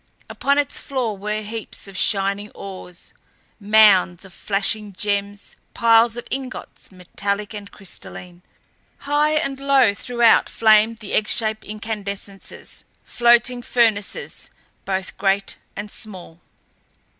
Upon its floor were heaps of shining ores, mounds of flashing gems, piles of ingots, metallic and crystalline. High and low throughout flamed the egg shaped incandescences; floating furnaces both great and small.